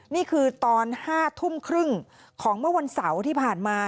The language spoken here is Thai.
นี่คือตอน๕ทุ่มครึ่งของเมื่อวันเสาร์ที่ผ่านมา